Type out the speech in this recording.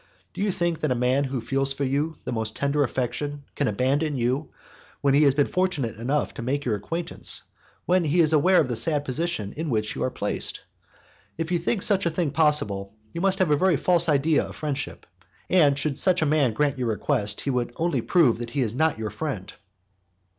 Do you think that a man who feels for you the most tender affection can abandon you when he has been fortunate enough to make your acquaintance, when he is aware of the sad position in which you are placed? If you think such a thing possible, you must have a very false idea of friendship, and should such a man grant your request, he would only prove that he is not your friend."